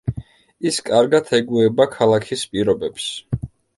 ის კარგად ეგუება ქალაქის პირობებს.